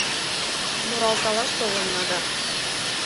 Муралталаш толынна да